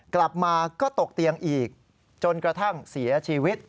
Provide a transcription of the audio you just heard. กลับมาก็ตกเตียงอีกจนกระทั่งเสียชีวิต